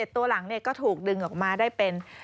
ตัวหลังก็ถูกดึงออกมาได้เป็น